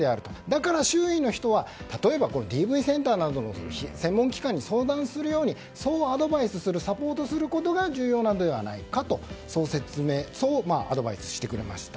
だから周囲の人は例えばＤＶセンターなどの専門機関に相談するようにアドバイスするサポートすることが重要なのではないかとそうアドバイスしてくれました。